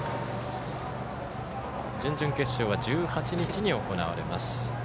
準々決勝は１８日に行われます。